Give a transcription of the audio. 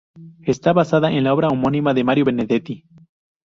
Está basada en la obra homónima de Mario Benedetti.